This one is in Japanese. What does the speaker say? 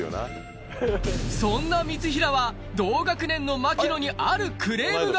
そんな三平は、同学年の槙野にあるクレームが。